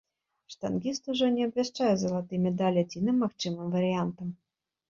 Штангіст ужо не абвяшчае залаты медаль адзіным магчымым варыянтам.